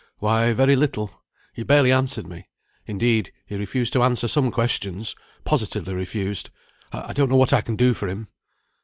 "Why, very little. He barely answered me. Indeed, he refused to answer some questions positively refused. I don't know what I can do for him."